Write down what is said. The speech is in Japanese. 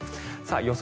予想